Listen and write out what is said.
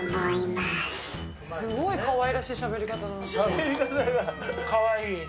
すごいかわいらしいしゃべりしゃべり方がね。